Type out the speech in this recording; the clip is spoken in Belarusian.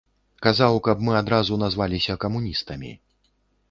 Казаў, каб мы адразу назваліся камуністамі.